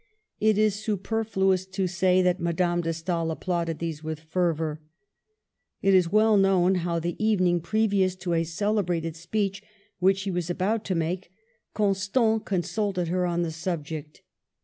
It is superfluous to say that Madame de Stael applauded these with fervor. It is well known how, the evening previous to a celebrated speech which he was about to make, Constant consulted her on the subject.